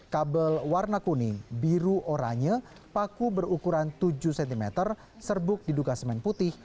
kabel warna kuning biru oranye paku berukuran tujuh cm serbuk diduga semen putih